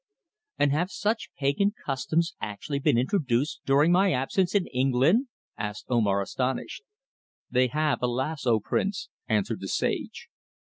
"And have such pagan customs actually been introduced during my absence in England?" asked Omar astonished. "They have, alas! O Prince," answered the sage.